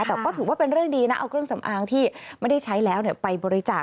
แต่ก็ถือว่าเป็นเรื่องดีนะเอาเครื่องสำอางที่ไม่ได้ใช้แล้วไปบริจาค